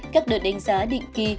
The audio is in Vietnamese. các đợt đánh giá định kỳ